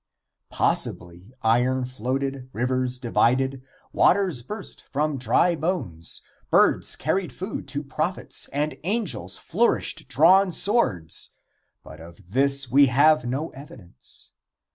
Possibly iron floated, rivers divided, waters burst from dry bones, birds carried food to prophets and angels flourished drawn swords, but of this we have no evidence.